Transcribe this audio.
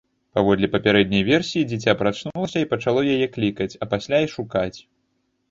Паводле папярэдняй версіі, дзіця прачнулася і пачало яе клікаць, а пасля і шукаць.